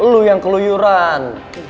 lu yang keluyuran